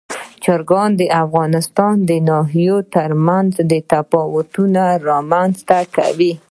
چرګان د افغانستان د ناحیو ترمنځ تفاوتونه رامنځ ته کوي.